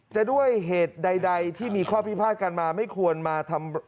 จะด้วยเหตุใดที่มีข้อพิพาทกันมาไม่ควรมาทำ